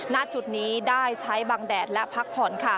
ณจุดนี้ได้ใช้บังแดดและพักผ่อนค่ะ